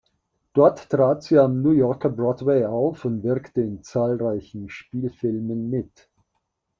Dort trat sie am New Yorker Broadway auf und wirkte in zahlreichen Spielfilmen mit.